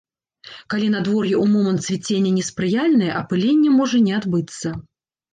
Калі надвор'е ў момант цвіцення неспрыяльнае, апыленне можа не адбыцца.